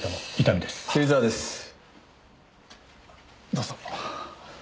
どうぞ。